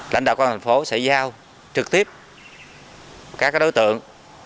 lãnh đạo của thành phố sẽ giao trực tiếp các đối tượng